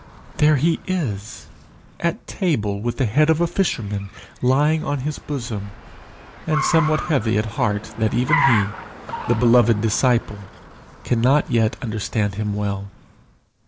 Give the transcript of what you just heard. There he is at table with the head of a fisherman lying on his bosom, and somewhat heavy at heart that even he, the beloved disciple, cannot yet understand him well.